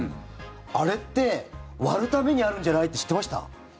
あれって割るためにあるんじゃないって知ってました？